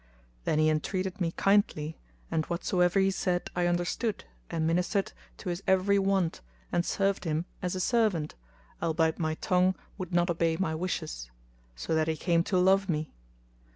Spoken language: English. Then he entreated me kindly and whatsoever he said I understood and ministered to his every want and served him as a servant, albeit my tongue would not obey my wishes; so that he came to love me.